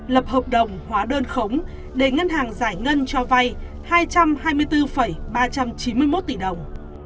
lập hợp đồng hóa đơn khống để ngân hàng giải ngân cho vay hai trăm hai mươi bốn ba trăm chín mươi một tỷ đồng